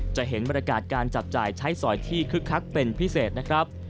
จะเห็นบรรยากาศการจับจ่ายใช้สอยที่คึกคักเป็นพิเศษนะครับ